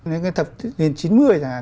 những cái thập tiên chín mươi chẳng hạn